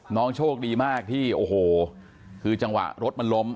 โชคดีมากที่โอ้โหคือจังหวะรถมันล้ม